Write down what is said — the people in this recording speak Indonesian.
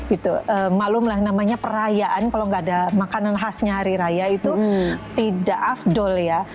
itu malum lah namanya perayaan kalau nggak ada makanan khasnya hari raya itu tidak afdol ya